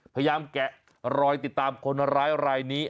พยายามแกะรอยติดตามโค้นร้ายรายนี้